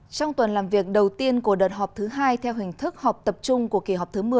trong tuần làm việc đầu tiên của đợt họp thứ hai theo hình thức họp tập trung của kỳ họp thứ một mươi